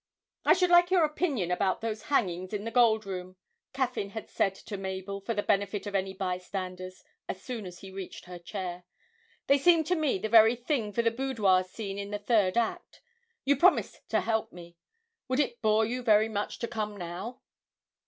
'I should like your opinion about those hangings in the Gold Room,' Caffyn had said to Mabel, for the benefit of any bystanders, as soon as he reached her chair: 'they seem to me the very thing for the boudoir scene in the third act. You promised to help me; would it bore you very much to come now?'